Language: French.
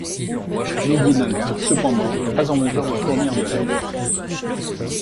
Nobunaga, cependant, n'est pas en mesure de fournir de l'aide.